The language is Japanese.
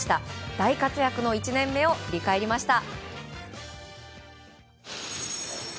大活躍の１年目を振り返りました。